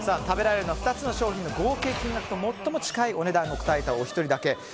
食べられるのは２つの商品の合計金額と最も近いお値段を答えたお一人だけ。